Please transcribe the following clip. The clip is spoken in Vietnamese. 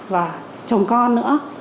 và chồng con nữa